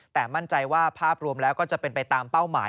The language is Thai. แต่มั่นใจว่าภาพรวมแล้วก็จะเป็นไปตามเป้าหมาย